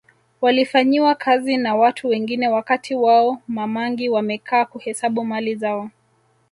Walifanyiwa kazi na watu wengine wakati wao Ma mangi wamekaa kuhesabu mali zao